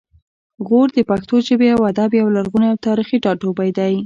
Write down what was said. غور د پښتو ژبې او ادب یو لرغونی او تاریخي ټاټوبی دی